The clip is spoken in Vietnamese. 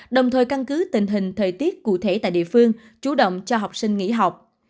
đồng thời căn cứ tình hình thời tiết cụ thể tại địa phương chủ động cho học sinh nghỉ học